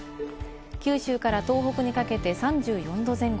九州から東北にかけて３４度前後。